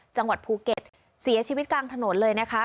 จังหวัดภูเก็ตเสียชีวิตกลางถนนเลยนะคะ